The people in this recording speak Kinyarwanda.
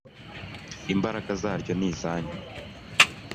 Imbaraga zaryo ni izanyu.